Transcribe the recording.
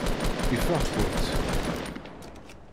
Ifeɣ-kent.